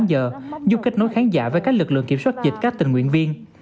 giúp kết nối khán giả với các lực lượng kiểm soát dịch các tình nguyện viên